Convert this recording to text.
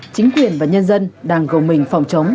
chính quyền và nhân dân đang gồng mình phòng chống